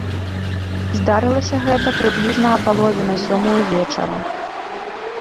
Здарылася гэта прыблізна а палове на сёмую вечара.